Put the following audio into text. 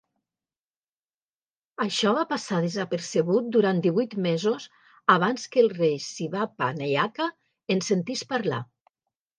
Això va passar desapercebut durant divuit mesos abans que el rei Shivappa Nayaka en sentís parlar.